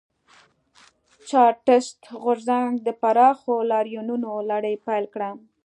چارټېست غورځنګ د پراخو لاریونونو لړۍ پیل کړه.